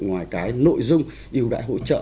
ngoài cái nội dung ưu đãi hỗ trợ